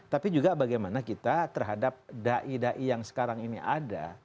tapi juga bagaimana kita terhadap da'i da'i yang sekarang ini ada